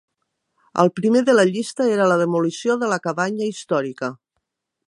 El primer de la llista era la demolició de la cabanya històrica.